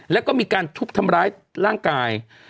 แล้วก็มีการทุบทำร้ายร่างกาย